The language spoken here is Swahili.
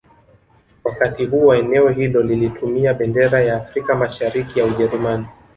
Wakati huo eneo hilo lilitumia bendera ya Afrika Mashariki ya Ujerumani